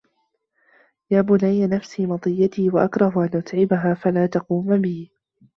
يَا بُنَيَّ نَفْسِي مَطِيَّتِي وَأَكْرَهُ أَنْ أُتْعِبَهَا فَلَا تَقُومَ بِي